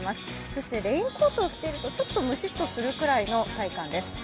そしてレインコートを着ているとちょっと蒸しっとするくらいの体感です。